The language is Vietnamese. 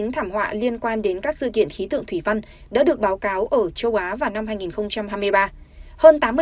một mươi thảm họa liên quan đến các sự kiện khí tượng thủy văn đã được báo cáo ở châu á vào năm hai nghìn hai mươi ba